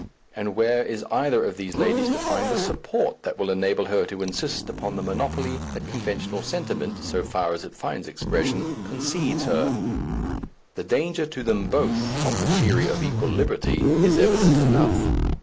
And where is either of these ladies to find the support that will enable her to insist upon the monopoly that conventional sentiment, so far as it finds expression, concedes her? The danger to them both of the theory of equal liberty is evident enough.